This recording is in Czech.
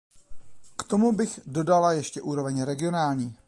K tomu bych dodala ještě úroveň regionální.